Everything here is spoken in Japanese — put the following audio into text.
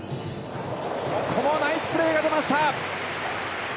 ここもナイスプレーが出ました！